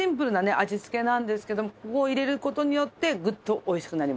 味つけなんですけどもこれを入れる事によってグッとおいしくなります。